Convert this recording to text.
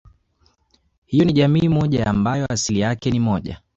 Hiyo ni jamii moja ambayo asili yake ni moja